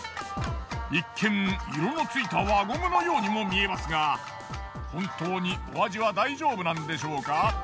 一見色のついた輪ゴムのようにも見えますが本当にお味は大丈夫なんでしょうか？